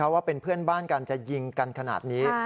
ว่าเป็นเพื่อนบ้านกันจะยิงกันขนาดนี้